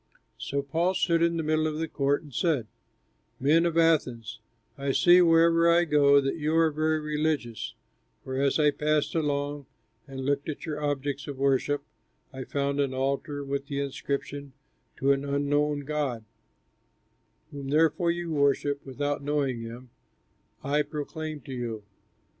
So Paul stood in the middle of the Court and said, "Men of Athens, I see wherever I go that you are very religious, for as I passed along and looked at your objects of worship, I found an altar with the inscription, TO AN UNKNOWN GOD Whom, therefore, you worship without knowing, him I proclaim to you.